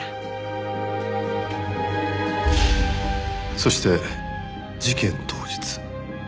そして事件当日。